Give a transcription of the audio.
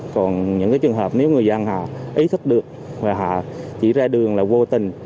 còn những trường hợp nếu người dân họ ý thức được và họ chỉ ra đường là vô tình